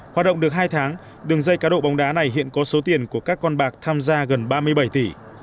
hoạt động được hai tháng đường dây cá độ bóng đá này hiện có số tiền của các con bạc tham gia gần ba mươi bảy tỷ